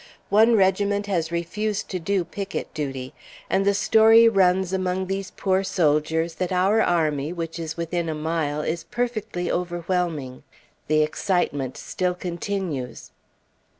One regiment has refused to do picket duty; and the story runs among these poor soldiers that our army, which is within a mile, is perfectly overwhelming. The excitement still continues.